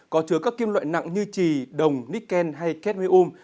có chứa các kim loại nặng như trì đồng nít khen hay két mê ôm